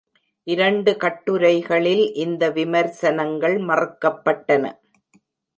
இரண்டு கட்டுரைகளில் இந்த விமர்சனங்கள்மறுக்கப்பட்டன.